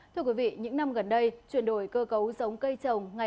thưa quý vị những năm gần đây chuyển đổi cơ cấu giống cây trồng